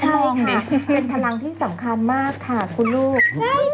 มองนี่คือเป็นพลังที่สำคัญมากค่ะคุณลูก